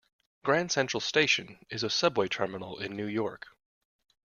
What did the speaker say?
Grand Central Station is a subway terminal in New York.